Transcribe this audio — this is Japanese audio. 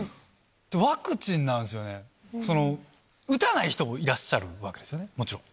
ワクチンなんですよね、打たない人もいらっしゃるわけですよね、もちろん。